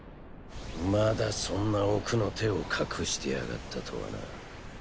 まだそんな奥の手を隠してやがったとはな。